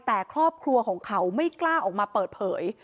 แต่ครอบครัวของเขาไม่กล้าออกมาเปิดเผย